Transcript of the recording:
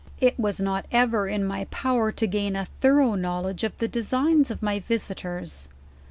"It was not ever in my power to gain a thorough knowl edge of the designs of my visitors.